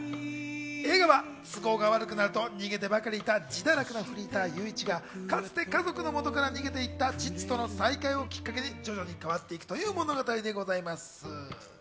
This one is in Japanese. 映画は都合が悪くなると逃げてばかりいた自堕落なフリーター・裕一がかつて家族の元から逃げていった父との再会をきっかけに徐々に変わっていくという物語でございます。